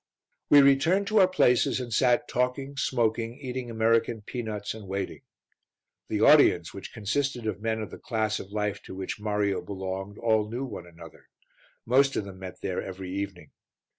We returned to our places and sat talking, smoking, eating American pea nuts and waiting. The audience, which consisted of men of the class of life to which Mario belonged, all knew one another; most of them met there every evening.